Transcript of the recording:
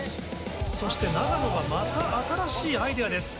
そして長野がまた新しいアイデアです。